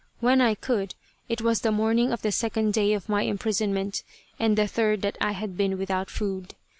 When I could it was the morning of the second day of my imprisonment and the third that I had been without food.